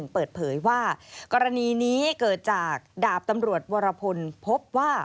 เปิดเผยว่ากรณีนี้เกิดจากดาบตำรวจวรพลพบว่า